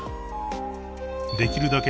［できるだけ